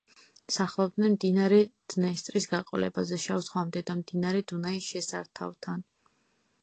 სახლობდნენ მდინარე დნესტრის გაყოლებაზე შავ ზღვამდე და მდინარე დუნაის შესართავთან.